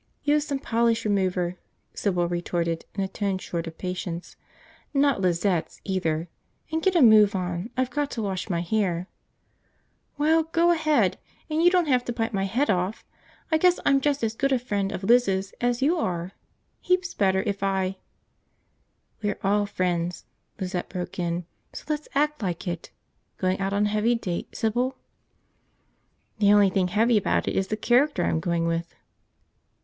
"Use some polish remover," Sybil retorted in a tone short of patience. "Not Lizette's, either. And get a move on. I've got to wash my hair." "Well, go ahead. And you don't have to bite my head off! I guess I'm just as good a friend of Liz's as you are, heaps better if I ..." "We're all friends," Lizette broke in, "so let's act like it. Going out on a heavy date, Sybil?" "The only thing heavy about it is the character I'm going with."